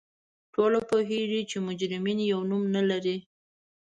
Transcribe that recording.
ټول پوهیږو چې مجرمین یو نوم نه لري